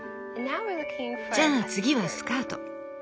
じゃあ次はスカート。